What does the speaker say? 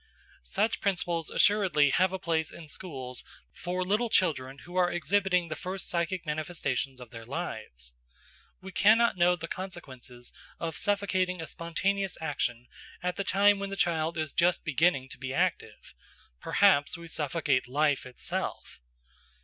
Such principles assuredly have a place in schools for little children who are exhibiting the first psychic manifestations of their lives. We cannot know the consequences of suffocating a spontaneous action at the time when the child is just beginning to be active: perhaps we suffocate life itself.